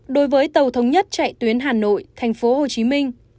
đối với tàu thống nhất chạy tuyến hà nội tp hcm